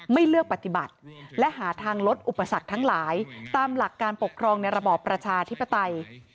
ไม่เลือกปฏิบัติและหาทางลดอุปสรรคทั้งหลายตามหลักการปกครองในระบอบประชาธิปไตย